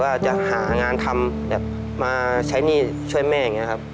ว่าจะหางานทำแบบมาใช้หนี้ช่วยแม่อย่างนี้ครับ